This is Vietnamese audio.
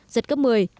giật cấp một mươi